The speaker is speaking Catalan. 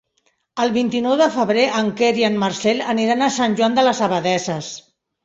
El vint-i-nou de febrer en Quer i en Marcel aniran a Sant Joan de les Abadesses.